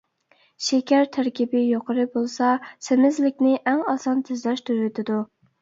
شېكەر تەركىبى يۇقىرى بولسا، سېمىزلىكنى ئەڭ ئاسان تېزلەشتۈرۈۋېتىدۇ.